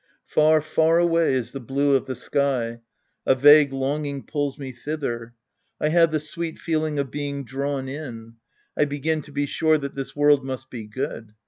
Far, far away is the blue of the sky. A vague long ing pulls me tWther. I have the sweet feeling of being drawn in. I begin to be sure that this world must be good.